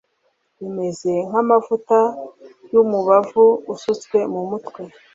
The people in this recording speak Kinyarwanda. bimeze nk'amavuta y'umubavu asutswe mu mutwe